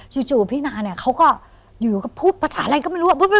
พี่นาเนี่ยเขาก็อยู่ก็พูดภาษาอะไรก็ไม่รู้